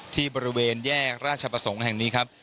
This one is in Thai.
ที่บริเวณแยกราชประสงค์แห่งนี้ครับ